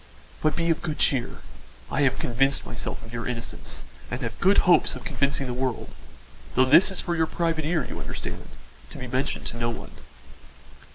"But be of good cheer; I have convinced myself of your innocence and have good hopes of convincing the world though this is for your private ear, you understand, to be mentioned to no one."